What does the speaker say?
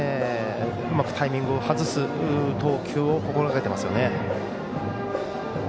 うまくタイミングを外す投球を心がけています。